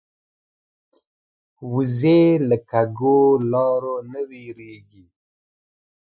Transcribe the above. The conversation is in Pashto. وزې له کږو لارو نه وېرېږي